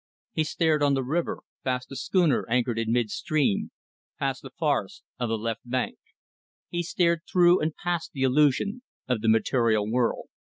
He stared on the river, past the schooner anchored in mid stream, past the forests of the left bank; he stared through and past the illusion of the material world.